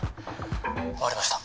終わりました。